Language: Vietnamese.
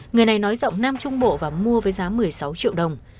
người này nói rộng nam trung bộ và mua với giá một mươi sáu triệu đồng